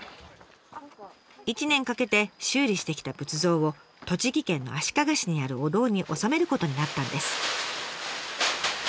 １年かけて修理してきた仏像を栃木県の足利市にあるお堂に納めることになったんです。